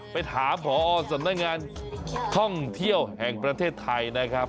ไปถามพอสำนักงานท่องเที่ยวแห่งประเทศไทยนะครับ